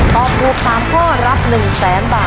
ตอบถูกสามข้อรับหนึ่งแสนบาท